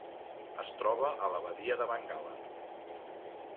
Es troba a la Badia de Bengala.